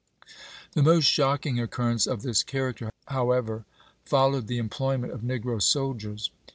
The most shocking occurrence of this character, however, followed the employment of negro sol diers.